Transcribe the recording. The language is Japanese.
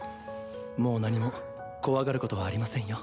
もう何も怖がることはありませんよ。